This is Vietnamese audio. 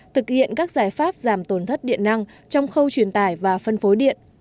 thực hiện các giải pháp giảm tổn thất điện năng trong khâu truyền tải và phân phối điện